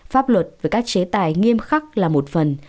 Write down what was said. pháp luật với các chế tài nghiêm khắc là một phần